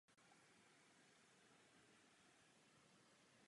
Zajištění evropských dodávek energií bez Ruska není v současnosti možné.